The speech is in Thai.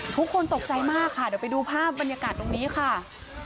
ทุกคนตกใจมากค่ะเดี๋ยวไปดูภาพบรรยากาศตรงนี้ค่ะ